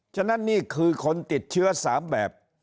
ฉะนั้นนี่คือคนติดเชื้อ๓แบบ